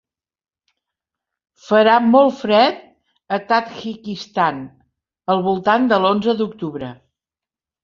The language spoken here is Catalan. Farà molt fred a Tadjikistan al voltant de l'onze d'octubre?